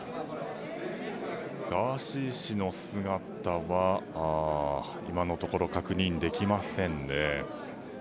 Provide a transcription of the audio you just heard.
ガーシー氏の姿は今のところ確認できませんね。